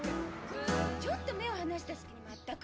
ちょっと目を離した隙にまったく。